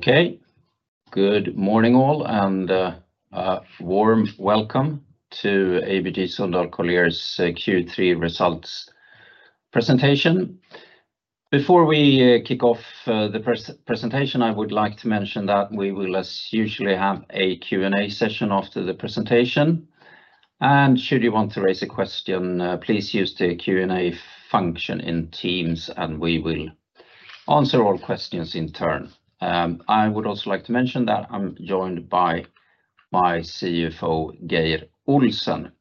Okay, good morning all, and a warm welcome to ABG Sundal Collier's Q3 results presentation. Before we kick off the presentation, I would like to mention that we will, as usual, have a Q&A session after the presentation, and should you want to raise a question, please use the Q&A function in Teams, and we will answer all questions in turn. I would also like to mention that I'm joined by my CFO, Geir Olsen.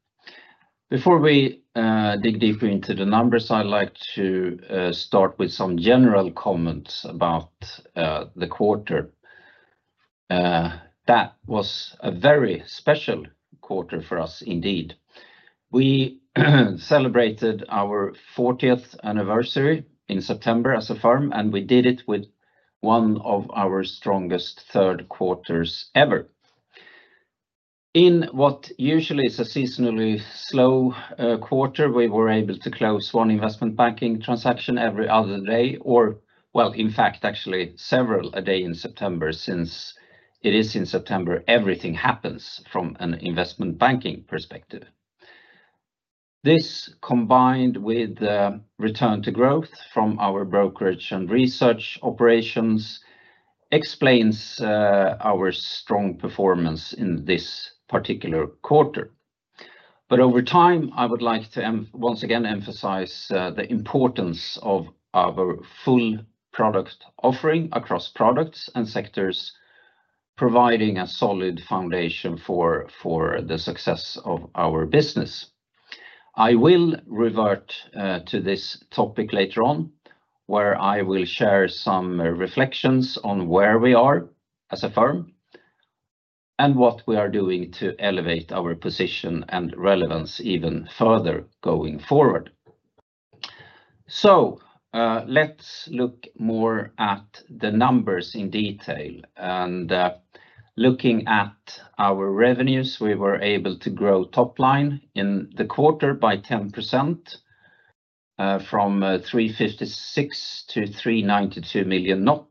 Before we dig deeper into the numbers, I'd like to start with some general comments about the quarter. That was a very special quarter for us indeed. We celebrated our fortieth anniversary in September as a firm, and we did it with one of our strongest third quarters ever. In what usually is a seasonally slow quarter, we were able to close one investment banking transaction every other day, or, well, in fact, actually several a day in September, since it is in September everything happens from an investment banking perspective. This, combined with the return to growth from our brokerage and research operations, explains our strong performance in this particular quarter, but over time, I would like to once again emphasize the importance of our full product offering across products and sectors, providing a solid foundation for the success of our business. I will revert to this topic later on, where I will share some reflections on where we are as a firm and what we are doing to elevate our position and relevance even further going forward, so let's look more at the numbers in detail. Looking at our revenues, we were able to grow top line in the quarter by 10%, from 356 to 392 million NOK,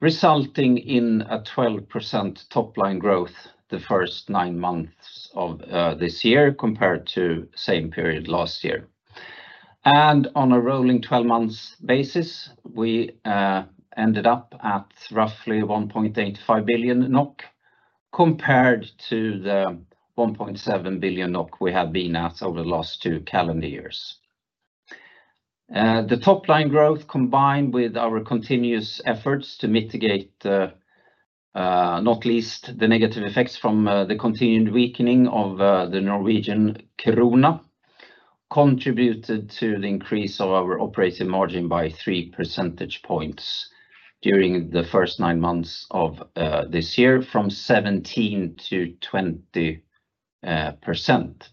resulting in a 12% top line growth the first nine months of this year compared to same period last year. On a rolling twelve months basis, we ended up at roughly 1.85 billion NOK, compared to the 1.7 billion NOK we have been at over the last two calendar years. The top line growth, combined with our continuous efforts to mitigate not least the negative effects from the continued weakening of the Norwegian krona, contributed to the increase of our operating margin by three percentage points during the first nine months of this year, from 17% to 20%.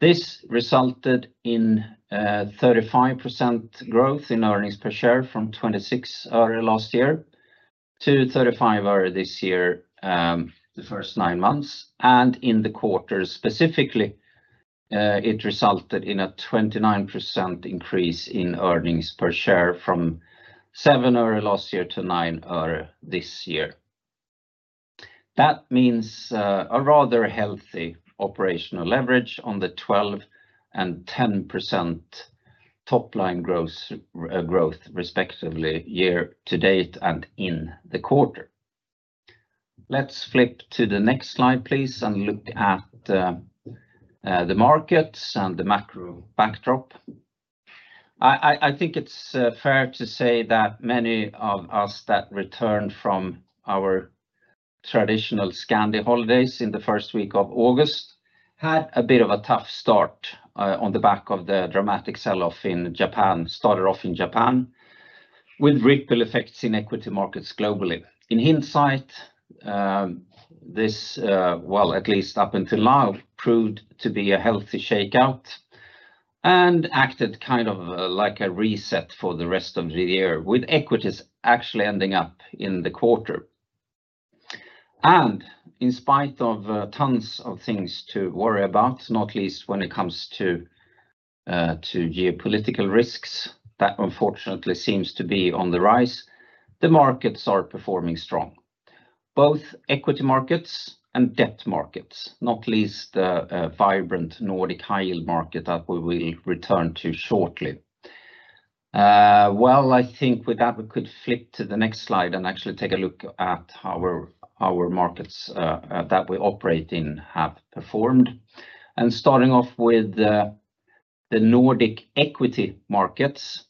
This resulted in 35% growth in earnings per share from 0.26 last year to 0.35 this year, the first nine months, and in the quarter specifically, it resulted in a 29% increase in earnings per share from 7 øre last year to 9 øre this year. That means a rather healthy operational leverage on the 12% and 10% top line gross growth, respectively, year to date and in the quarter. Let's flip to the next slide, please, and look at the markets and the macro backdrop. I think it's fair to say that many of us that returned from our traditional Scandi holidays in the first week of August had a bit of a tough start on the back of the dramatic sell-off in Japan, started off in Japan, with ripple effects in equity markets globally. In hindsight, this, well, at least up until now, proved to be a healthy shakeout and acted kind of like a reset for the rest of the year, with equities actually ending up in the quarter, and in spite of tons of things to worry about, not least when it comes to geopolitical risks, that unfortunately seems to be on the rise, the markets are performing strong, both equity markets and debt markets, not least the vibrant Nordic high-yield market that we will return to shortly. Well, I think with that, we could flip to the next slide and actually take a look at how our markets that we operate in have performed, and starting off with the Nordic equity markets,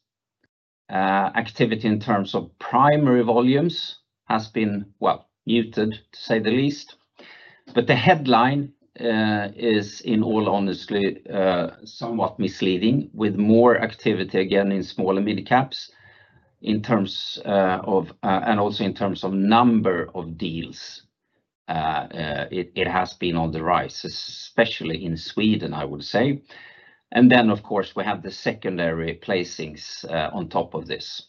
activity in terms of primary volumes has been, well, muted, to say the least, but the headline is, in all honesty, somewhat misleading, with more activity again in small and mid caps, and also in terms of number of deals, it has been on the rise, especially in Sweden, I would say, and then, of course, we have the secondary placings on top of this.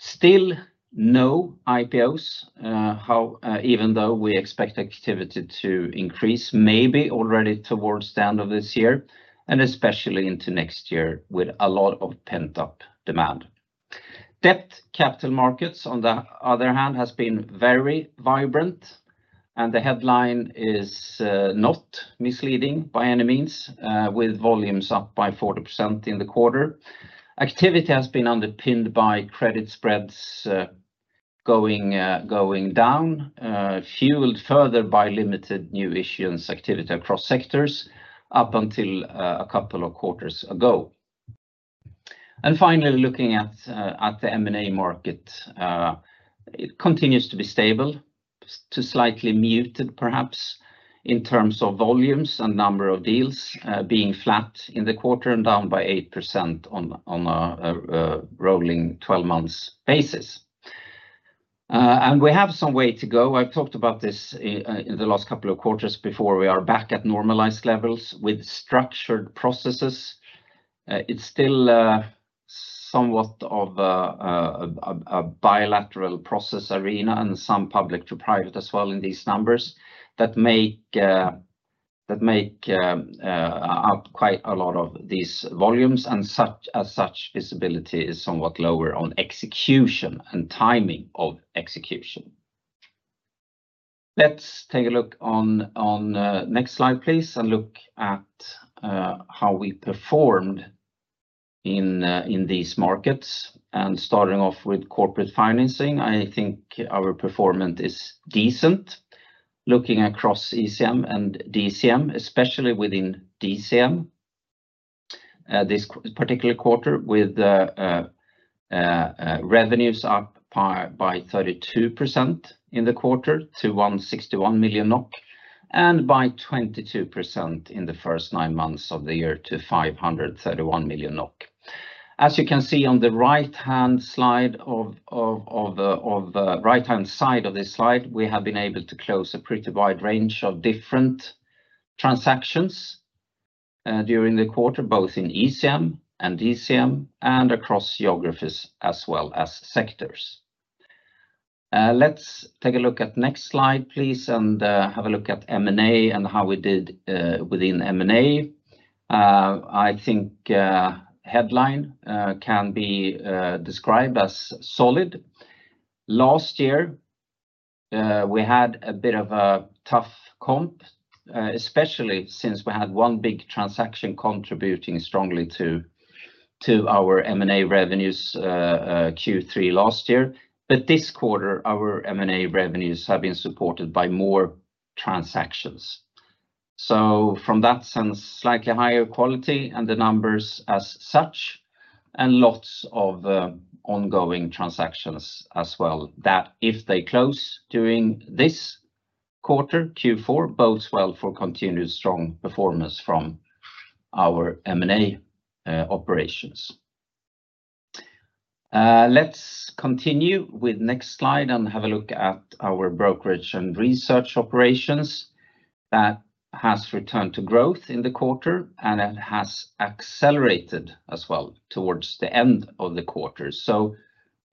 Still no IPOs, however, even though we expect activity to increase, maybe already towards the end of this year, and especially into next year with a lot of pent-up demand. Debt Capital Markets, on the other hand, has been very vibrant, and the headline is, not misleading by any means, with volumes up by 40% in the quarter. Activity has been underpinned by credit spreads going down, fueled further by limited new issuance activity across sectors up until a couple of quarters ago. And finally, looking at the M&A market, it continues to be stable to slightly muted, perhaps, in terms of volumes and number of deals being flat in the quarter and down by 8% on a rolling 12 months basis. And we have some way to go. I've talked about this in the last couple of quarters before we are back at normalized levels with structured processes. It's still somewhat of a bilateral process arena and some public to private as well in these numbers that make out quite a lot of these volumes. And such, as such, visibility is somewhat lower on execution and timing of execution. Let's take a look on next slide, please, and look at how we performed in these markets. And starting off with corporate financing, I think our performance is decent. Looking across ECM and DCM, especially within DCM, this particular quarter with revenues up by 32% in the quarter to 161 million NOK and by 22% in the first nine months of the year to 531 million NOK. As you can see on the right-hand side of this slide, we have been able to close a pretty wide range of different transactions during the quarter, both in ECM and DCM and across geographies as well as sectors. Let's take a look at next slide, please, and have a look at M&A and how we did within M&A. I think headline can be described as solid. Last year, we had a bit of a tough comp, especially since we had one big transaction contributing strongly to our M&A revenues Q3 last year. But this quarter, our M&A revenues have been supported by more transactions. So from that sense, slightly higher quality and the numbers as such, and lots of ongoing transactions as well, that if they close during this quarter, Q4, bodes well for continued strong performance from our M&A operations. Let's continue with next slide and have a look at our brokerage and research operations that has returned to growth in the quarter, and it has accelerated as well towards the end of the quarter. So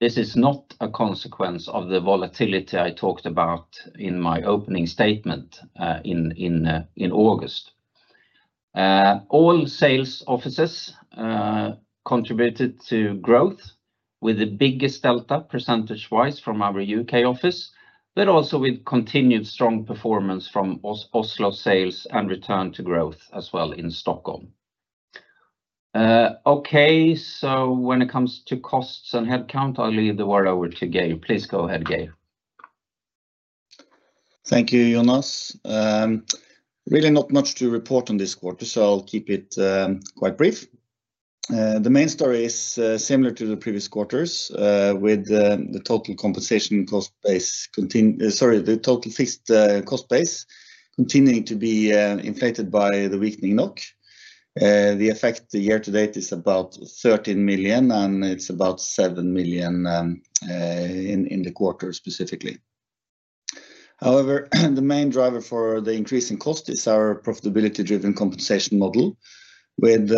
this is not a consequence of the volatility I talked about in my opening statement in August. All sales offices contributed to growth, with the biggest delta percentage-wise from our U.K. office, but also with continued strong performance from Oslo sales and return to growth as well in Stockholm. Okay, so when it comes to costs and headcount, I'll leave the word over to Geir. Please go ahead, Geir. Thank you, Jonas. Really not much to report on this quarter, so I'll keep it quite brief. The main story is similar to the previous quarters with the total fixed cost base continuing to be inflated by the weakening NOK. The effect year to date is about 13 million, and it's about 7 million in the quarter specifically. However, the main driver for the increase in cost is our profitability-driven compensation model with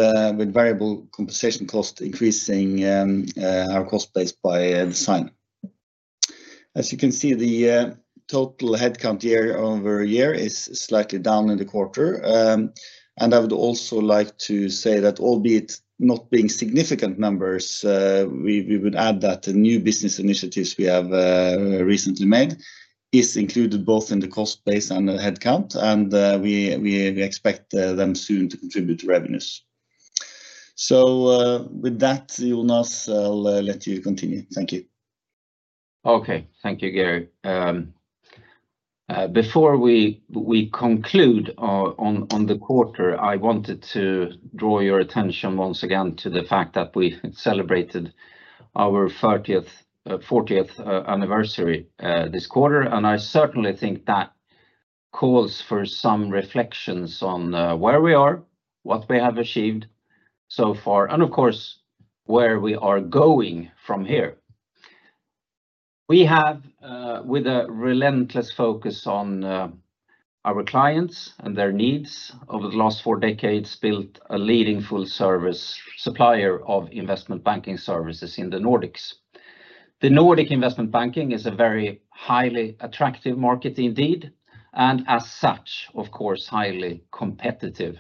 variable compensation cost increasing our cost base by the same. As you can see, total headcount year over year is slightly down in the quarter. And I would also like to say that, albeit not being significant numbers, we would add that the new business initiatives we have recently made is included both in the cost base and the headcount, and we expect them soon to contribute to revenues. So, with that, Jonas, I'll let you continue. Thank you. Okay. Thank you, Geir. Before we conclude on the quarter, I wanted to draw your attention once again to the fact that we celebrated our fortieth anniversary this quarter. I certainly think that calls for some reflections on where we are, what we have achieved so far, and of course, where we are going from here. We have, with a relentless focus on our clients and their needs over the last four decades, built a leading full service supplier of investment banking services in the Nordics. The Nordic investment banking is a very highly attractive market indeed, and as such, of course, highly competitive.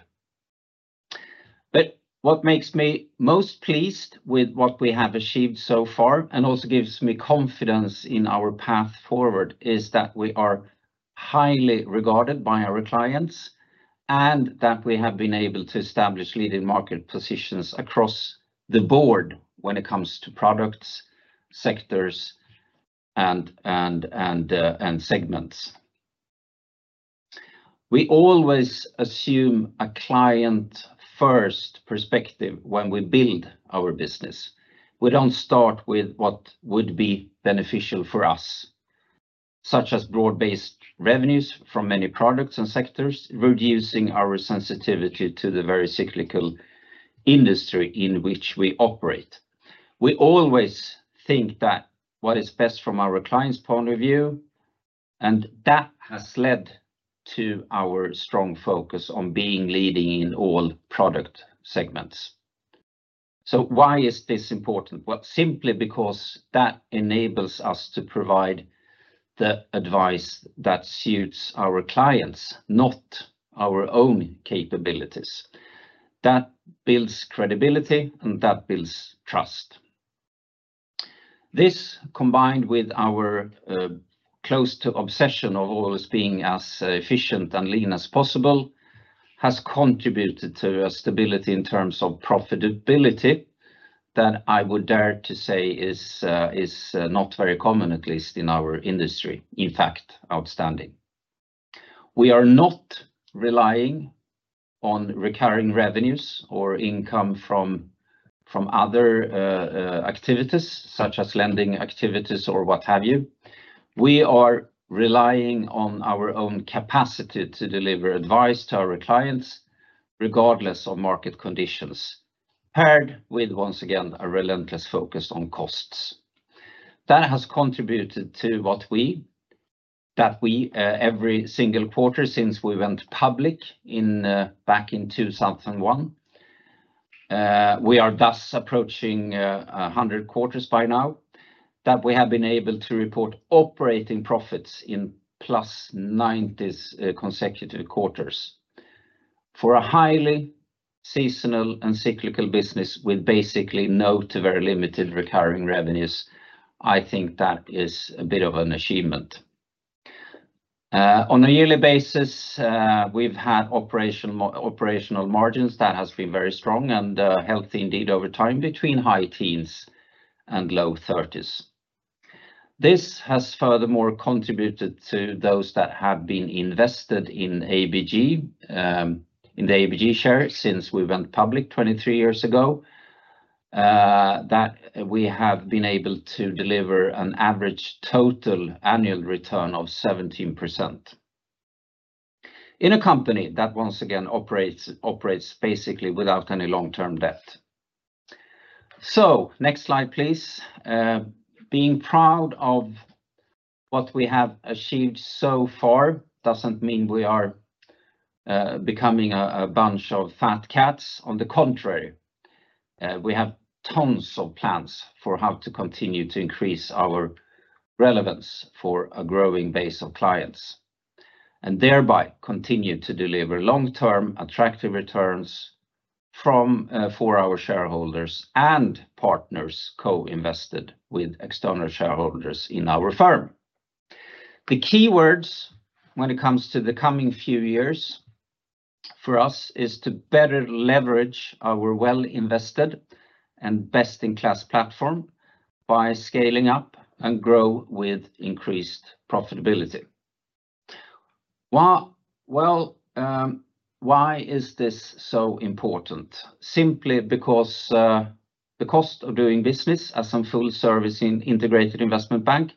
But what makes me most pleased with what we have achieved so far, and also gives me confidence in our path forward, is that we are highly regarded by our clients, and that we have been able to establish leading market positions across the board when it comes to products, sectors, and segments. We always assume a client-first perspective when we build our business. We don't start with what would be beneficial for us, such as broad-based revenues from many products and sectors, reducing our sensitivity to the very cyclical industry in which we operate. We always think that what is best from our client's point of view, and that has led to our strong focus on being leading in all product segments. So why is this important? Well, simply because that enables us to provide the advice that suits our clients, not our own capabilities. That builds credibility, and that builds trust. This, combined with our close to obsession of always being as efficient and lean as possible, has contributed to a stability in terms of profitability that I would dare to say is not very common, at least in our industry, in fact, outstanding. We are not relying on recurring revenues or income from other activities, such as lending activities or what have you. We are relying on our own capacity to deliver advice to our clients, regardless of market conditions, paired with, once again, a relentless focus on costs. That has contributed to what we every single quarter since we went public back in two thousand and one we are thus approaching 100 quarters by now that we have been able to report operating profits in plus nineties consecutive quarters. For a highly seasonal and cyclical business with basically no to very limited recurring revenues, I think that is a bit of an achievement. On a yearly basis we've had operational margins that has been very strong and healthy indeed over time between high teens and low thirties. This has furthermore contributed to those that have been invested in ABG in the ABG share since we went public 23 years ago that we have been able to deliver an average total annual return of 17%. In a company that, once again, operates basically without any long-term debt. So next slide, please. Being proud of what we have achieved so far doesn't mean we are becoming a bunch of fat cats. On the contrary, we have tons of plans for how to continue to increase our relevance for a growing base of clients, and thereby continue to deliver long-term attractive returns from for our shareholders and partners co-invested with external shareholders in our firm. The key words when it comes to the coming few years for us is to better leverage our well-invested and best-in-class platform by scaling up and grow with increased profitability. Why is this so important? Simply because the cost of doing business as a full service in integrated investment bank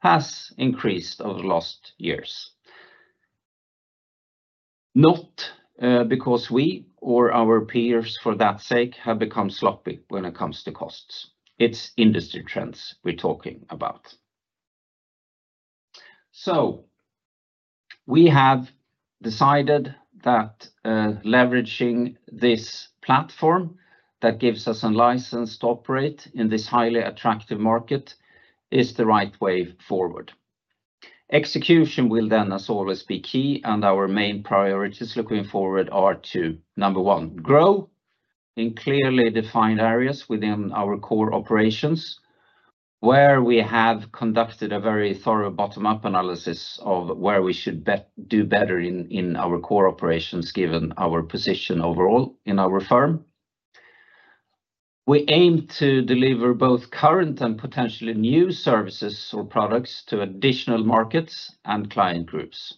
has increased over the last years. Not because we or our peers, for that sake, have become sloppy when it comes to costs. It's industry trends we're talking about. So we have decided that leveraging this platform that gives us a license to operate in this highly attractive market is the right way forward. Execution will then, as always, be key, and our main priorities looking forward are to, number one, grow in clearly defined areas within our core operations, where we have conducted a very thorough bottom-up analysis of where we should do better in, in our core operations, given our position overall in our firm. We aim to deliver both current and potentially new services or products to additional markets and client groups.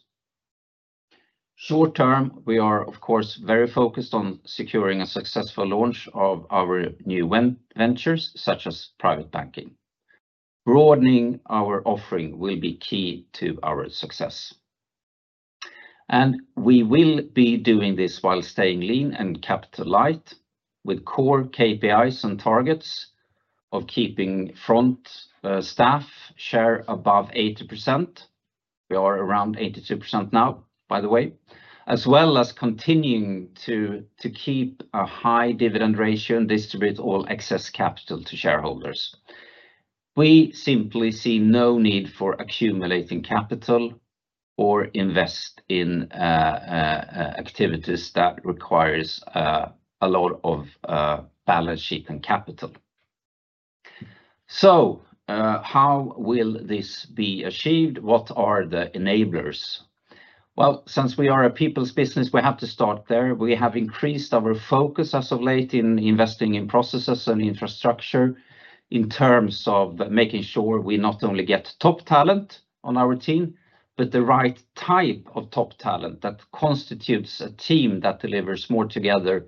Short term, we are, of course, very focused on securing a successful launch of our new ventures, such as private banking. Broadening our offering will be key to our success. And we will be doing this while staying lean and capital light, with core KPIs and targets of keeping front staff share above 80%. We are around 82% now, by the way, as well as continuing to keep a high dividend ratio and distribute all excess capital to shareholders. We simply see no need for accumulating capital or invest in activities that requires a lot of balance sheet and capital. So, how will this be achieved? What are the enablers? Well, since we are a people's business, we have to start there. We have increased our focus as of late in investing in processes and infrastructure in terms of making sure we not only get top talent on our team, but the right type of top talent that constitutes a team that delivers more together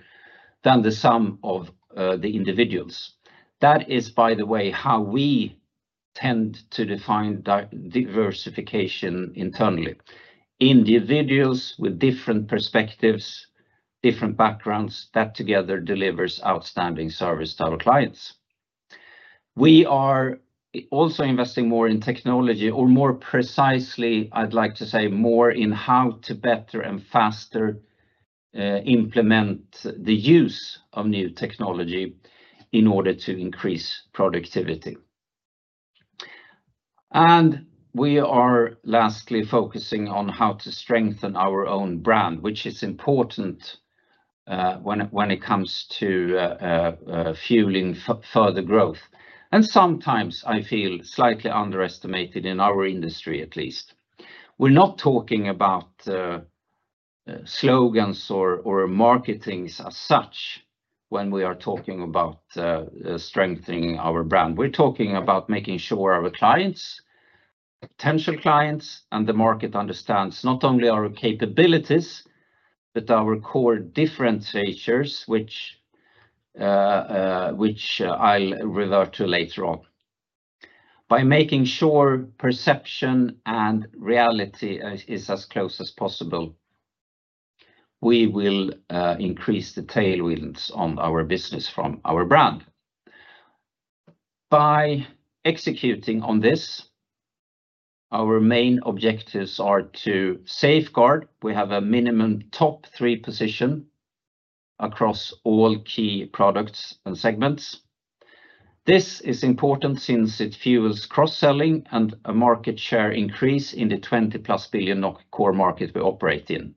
than the sum of the individuals. That is, by the way, how we tend to define diversification internally. Individuals with different perspectives, different backgrounds, that together delivers outstanding service to our clients. We are also investing more in technology, or more precisely, I'd like to say more in how to better and faster implement the use of new technology in order to increase productivity. And we are lastly focusing on how to strengthen our own brand, which is important when it comes to fueling further growth, and sometimes I feel slightly underestimated in our industry, at least. We're not talking about slogans or marketing as such, when we are talking about strengthening our brand. We're talking about making sure our clients, potential clients, and the market understands not only our capabilities, but our core differentiators, which I'll revert to later on. By making sure perception and reality is as close as possible, we will increase the tailwinds on our business from our brand. By executing on this, our main objectives are to safeguard we have a minimum top three position across all key products and segments. This is important since it fuels cross-selling and a market share increase in the 20+ billion core market we operate in,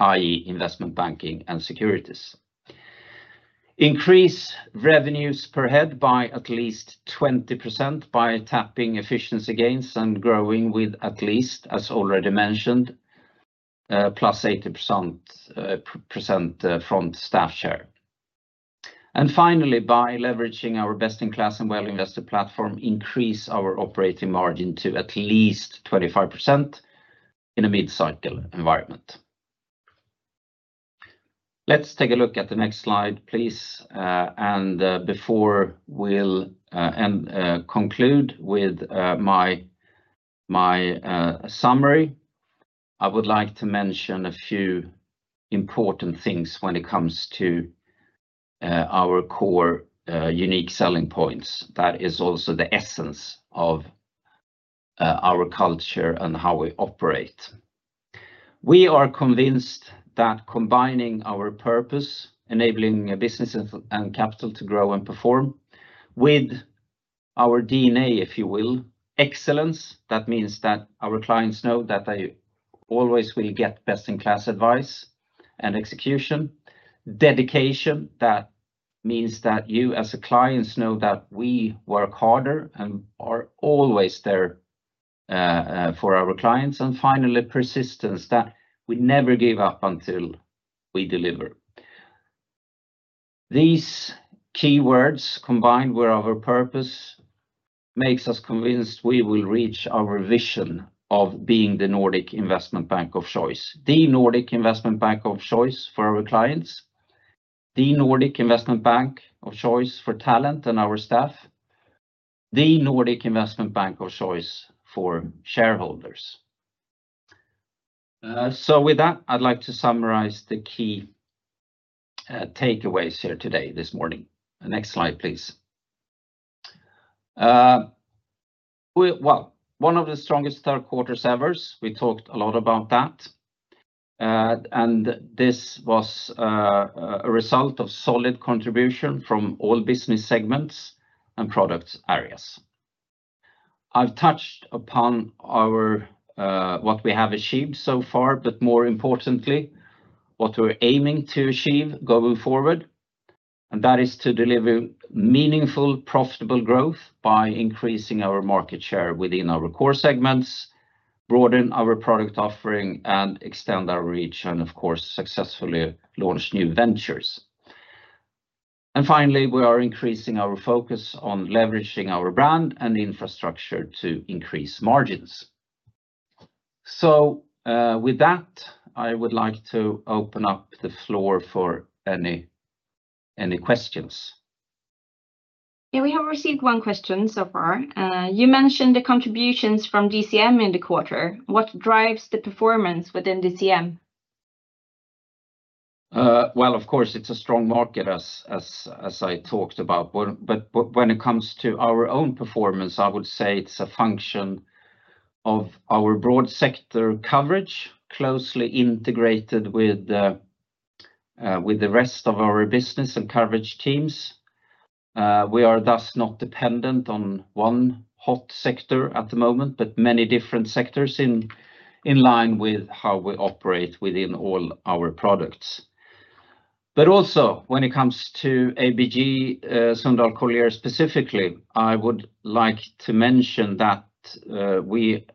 i.e., investment banking and securities. Increase revenues per head by at least 20% by tapping efficiency gains and growing with at least, as already mentioned, plus 80% from staff share. And finally, by leveraging our best-in-class and well-invested platform, increase our operating margin to at least 25% in a mid-cycle environment. Let's take a look at the next slide, please. And before we will conclude with my summary, I would like to mention a few important things when it comes to our core unique selling points. That is also the essence of our culture and how we operate. We are convinced that combining our purpose, enabling business and capital to grow and perform, with our DNA, if you will, excellence, that means that our clients know that they always will get best-in-class advice and execution. Dedication, that means that you as a client know that we work harder and are always there for our clients. And finally, persistence, that we never give up until we deliver. These keywords, combined with our purpose, makes us convinced we will reach our vision of being the Nordic investment bank of choice. The Nordic investment bank of choice for our clients, the Nordic investment bank of choice for talent and our staff, the Nordic investment bank of choice for shareholders. So with that, I'd like to summarize the key takeaways here today, this morning. Next slide, please. Well, one of the strongest third quarters ever, we talked a lot about that. And this was a result of solid contribution from all business segments and product areas. I've touched upon our what we have achieved so far, but more importantly, what we're aiming to achieve going forward, and that is to deliver meaningful, profitable growth by increasing our market share within our core segments, broaden our product offering, and extend our reach, and of course, successfully launch new ventures. And finally, we are increasing our focus on leveraging our brand and infrastructure to increase margins. So, with that, I would like to open up the floor for any questions. Yeah, we have received one question so far. You mentioned the contributions from DCM in the quarter. What drives the performance within DCM? Well, of course, it's a strong market, as I talked about, but when it comes to our own performance, I would say it's a function of our broad sector coverage, closely integrated with the rest of our business and coverage teams. We are thus not dependent on one hot sector at the moment, but many different sectors in line with how we operate within all our products. But also, when it comes to ABG Sundal Collier specifically, I would like to mention that we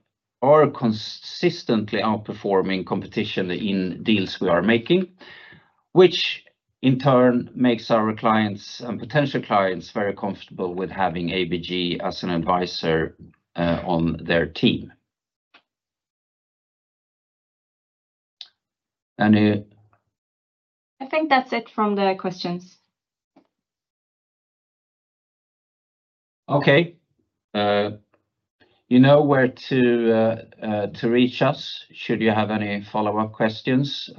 are consistently outperforming competition in deals we are making, which in turn makes our clients and potential clients very comfortable with having ABG as an advisor on their team. Any- I think that's it from the questions. Okay. You know where to reach us, should you have any follow-up questions.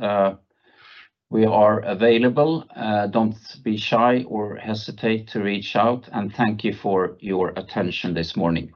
We are available. Don't be shy or hesitate to reach out, and thank you for your attention this morning.